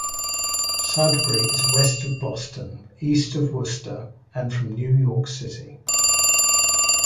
Sudbury is west of Boston, east of Worcester, and from New York City.